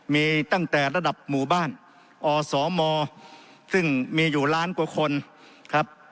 มีตั้งแต่ระดับหมู่บ้านอสมซึ่งมีอยู่ล้านกว่าคนครับ